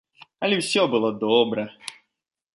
Але ўсё было добра.